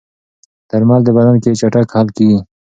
درمل د بدن کې چټک حل کېږي.